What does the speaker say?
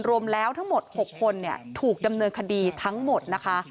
รวมแล้วทั้งหมด๖คนถูกดำเนินคดีทั้งหมดนะคะ